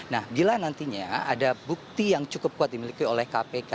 nah bila nantinya ada bukti yang cukup kuat dimiliki oleh kpk